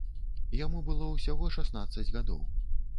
Яму было ўсяго шаснаццаць гадоў.